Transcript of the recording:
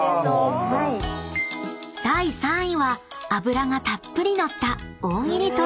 ［第３位は脂がたっぷり乗った］